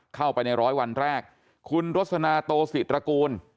เข้าไปในร้อยวันแรกคุณรสนาโตศิตรกูล